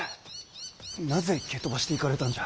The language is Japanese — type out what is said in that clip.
なぜ蹴飛ばしていかれたんじゃ。